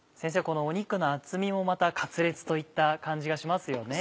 この肉の厚みもまたカツレツといった感じがしますよね。